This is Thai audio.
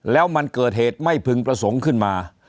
แล้วมันเกิดเหตุไม่พึงประสงค์ขึ้นมา